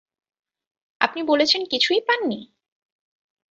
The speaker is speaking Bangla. আপনি বলেছেন কিছুই পাননি?